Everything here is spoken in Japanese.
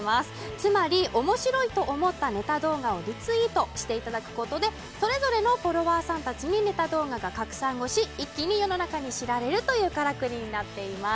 つまり面白いと思ったネタ動画をリツイートしていただくことでそれぞれのフォロワーさんたちにネタ動画が拡散をし一気に世の中に知られるというからくりになっています。